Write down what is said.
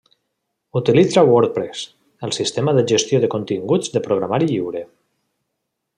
Utilitza WordPress, el sistema de gestió de continguts de programari lliure.